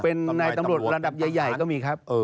เป็นนายตำรวจระดับใหญ่ก็มีครับ